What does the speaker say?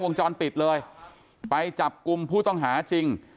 วงจรปิดเลยไปจับกลุ่มผู้ต้องหาจริง